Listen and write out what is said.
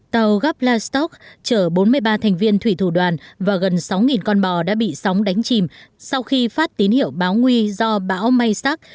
tàu gaplastok chở bốn mươi ba thành viên thủy thủ đoàn và gần sáu con bò đã bị sóng đánh chìm sau khi phát tín hiệu báo nguy do bão maysak